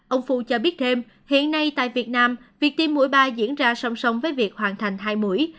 ông fu cho biết thêm hiện nay tại việt nam việc tiêm mũi ba diễn ra song song với việc hoàn thành hai mũi